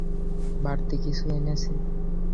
বাড়তি কিছু এনেছি।